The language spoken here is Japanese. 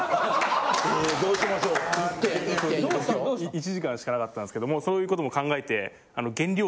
１時間しかなかったんですけどもそういうことも考えて。